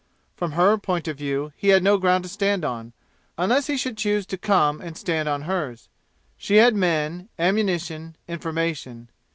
From her point of view he had no ground to stand on, unless he should choose to come and stand on hers. She had men, ammunition, information.